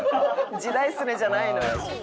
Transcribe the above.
「時代っすね」じゃないのよ。